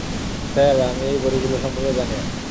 Sir, আমি এই বড়িগুলো সম্পর্কে জানি না।